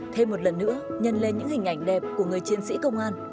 thêm một lần nữa nhân lên những hình ảnh đẹp của người chiến sĩ công an